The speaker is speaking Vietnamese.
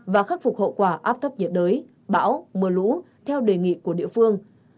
và khắc phục hậu quả áp thấp nhiệt đới bão mưa lũ theo đề nghị của địa phương